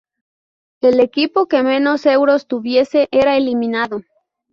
El equipo que menos euros tuviese era eliminado.